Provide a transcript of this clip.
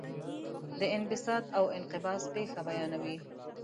د انبساط او انقباض پېښه بیانوي.